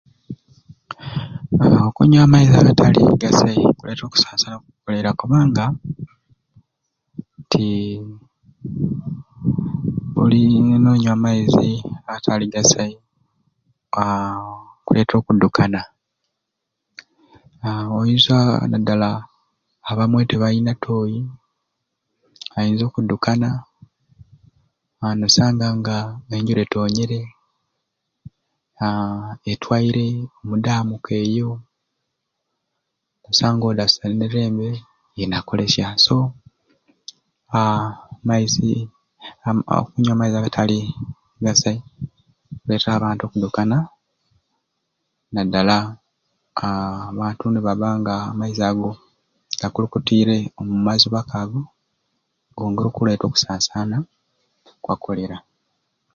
Aaa okunywa amaizi agatali gasai kireeta okusasaana kwa kolera kubanga ntii buli n'onywa amaizi agatali gasai aa kuleeta okudukana aa oinza naddala abamwe tibalina ttooyi ayinza okudukana aa n'osanga nga enjura etonyere aa etwaire mu damu k'eyo n'osanga odi nga asenere mbe ye na kolesya so aa amaizi okunywa amaizi agatali gasai kireeta okudukana nadala aa abantu nibabba nga amaizi ago gakulukitiire omu mazuba k'ago kwongera okuleeta okusasaana kwa kolera.